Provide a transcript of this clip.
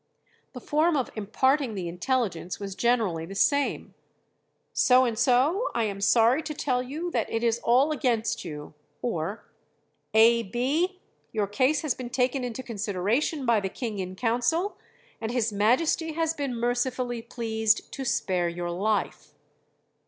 The form of imparting the intelligence was generally the same. "So and so, I am sorry to tell you that it is all against you;" or, "A. B., your case has been taken into consideration by the king in council, and His Majesty has been mercifully pleased to spare your life."